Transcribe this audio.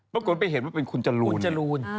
ปรากฏไปเห็นว่าเป็นคุณจรูนเนี่ยคุณจรูน